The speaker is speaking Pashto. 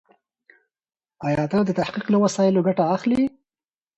ايا ته د تحقيق له وسایلو ګټه اخلې؟